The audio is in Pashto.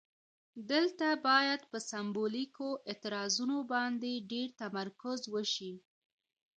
دلته باید پر سمبولیکو اعتراضونو باندې ډیر تمرکز وشي.